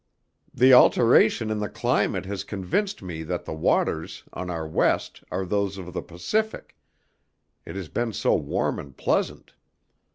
The alteration in the climate has convinced me that the waters on our West are those of the Pacific; it has been so warm and pleasant.